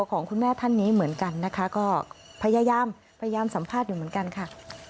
ขอบคุณกันค่ะ